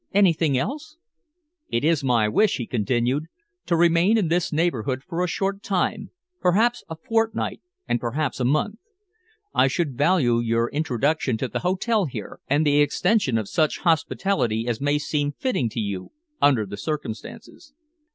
"Anything else?" "It is my wish," he continued, "to remain in this neighbourhood for a short time perhaps a fortnight and perhaps a month. I should value your introduction to the hotel here, and the extension of such hospitality as may seem fitting to you, under the circumstances."